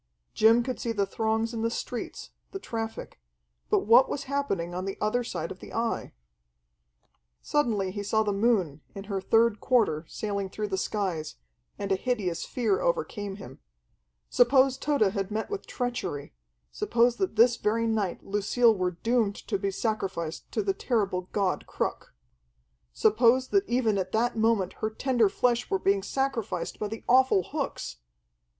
Jim could see the throngs in the streets, the traffic. But what was happening in the other side of the Eye? Suddenly he saw the moon in her third quarter sailing through the skies, and a hideous fear overcame him. Suppose Tode had met with treachery; suppose that this very night Lucille were doomed to be sacrificed to the terrible god Cruk! Suppose that even at that moment her tender flesh were being sacrificed by the awful hooks!